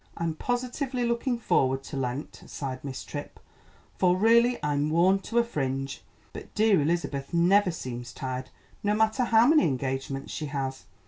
"I'm positively looking forward to Lent," sighed Miss Tripp; "for really I'm worn to a fringe, but dear Elizabeth never seems tired, no matter how many engagements she has.